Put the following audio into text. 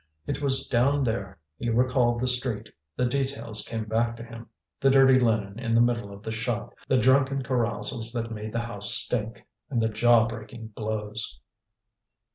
It was down there, he recalled the street, the details came back to him; the dirty linen in the middle of the shop, the drunken carousals that made the house stink, and the jaw breaking blows.